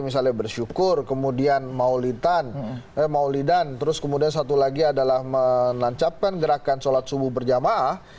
misalnya bersyukur kemudian maulidan terus kemudian satu lagi adalah menancapkan gerakan sholat subuh berjamaah